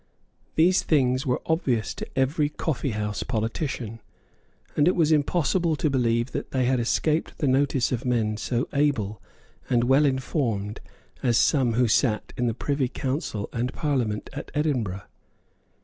These things were obvious to every coffeehouse politician; and it was impossible to believe that they had escaped the notice of men so able and well informed as some who sate in the Privy Council and Parliament at Edinburgh.